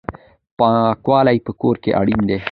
پاکوالی په کور کې اړین دی.